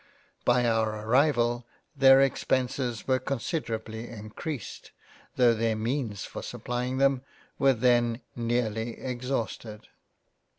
By our arrival their Expenses were considerably encreased tho* their means for supplying them were then nearly ex hausted.